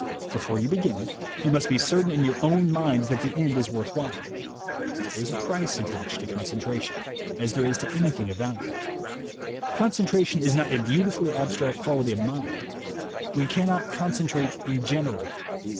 Before you begin, you must be certain in your own mind that the end is 112 THE WAY TO WILL POWER worth while. There is a price attached to concen tration, as there is to anything of value. Concen tration is not a beautifully abstract quality of mind. yVe cannot concentrate in general.